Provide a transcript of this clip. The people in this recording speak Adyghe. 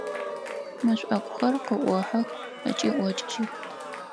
Мэшӏокухэр къыӏохьэх ыкӏи ӏокӏыжьых.